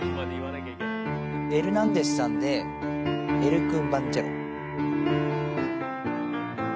エルナンデスさんで、エル・クンバンチェロ。